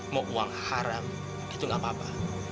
mau uang haram itu gak apa apa